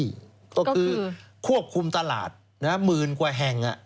ก็คือควบคุมตลาดหมื่นกว่าแห่ง